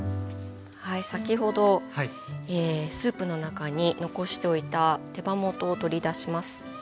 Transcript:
先ほどスープの中に残しておいた手羽元を取り出します。